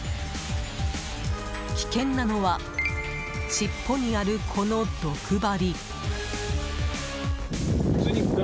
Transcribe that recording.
危険なのは尻尾にある、この毒針。